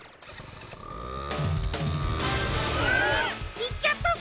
いっちゃったぞ！